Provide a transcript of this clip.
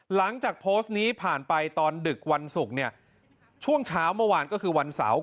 หลังจากโพสต์นี้ผ่านไปตอนดึกวันศุกร์เนี่ยช่วงเช้าเมื่อวานก็คือวันเสาร์